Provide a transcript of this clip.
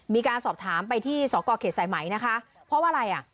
มีการสอบถามไปที่สกเขตสายไหมนะคะเพราะว่าอะไรอ่ะ